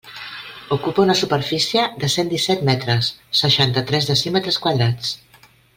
Ocupa una superfície de cent disset metres, seixanta-tres decímetres quadrats.